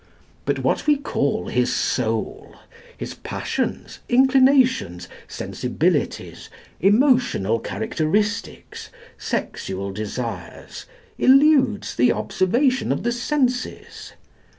But what we call his soul his passions, inclinations, sensibilities, emotional characteristics, sexual desires eludes the observation of the senses.